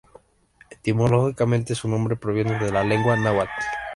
Etimológicamente su nombre proviene de la lengua náhuatl.